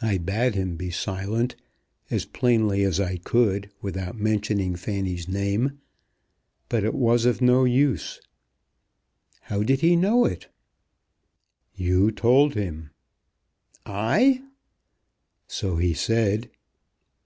I bade him be silent, as plainly as I could without mentioning Fanny's name. But it was of no use." "How did he know it?" "You told him!" "I!" "So he said."